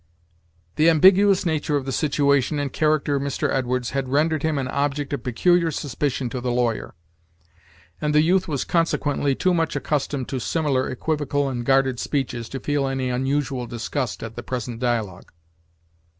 The ambiguous nature of the situation and character of Mr. Edwards had rendered him an object of peculiar suspicion to the lawyer, and the youth was consequently too much accustomed to similar equivocal and guarded speeches to feel any unusual disgust at the present dialogue.